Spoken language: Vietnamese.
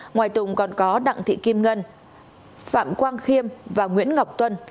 ngoài tùng còn có đặng thị kim ngân phạm quang khiêm và nguyễn ngọc tuân